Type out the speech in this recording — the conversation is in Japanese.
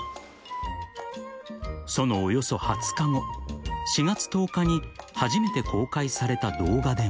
［そのおよそ２０日後４月１０日に初めて公開された動画でも］